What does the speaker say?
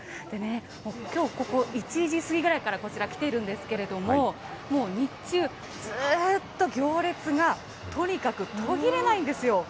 きょうここ、１時過ぎぐらいからこちら、来ているんですけれども、もう日中、ずーっと行列が、とにかく途切れないんですよ。